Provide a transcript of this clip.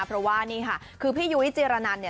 เพราะว่านี่ค่ะคือพี่ยุ้ยจิรนันเนี่ย